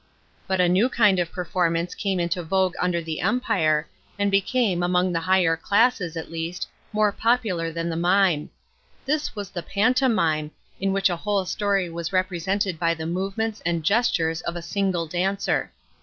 f But a new kind of performance collie into vogue under the Empire, and became, among the higher classes at least, more popular than the mime. '1 his was the pantomime, J in which a whole story was represent, d by the movements and gestures of a single dancer.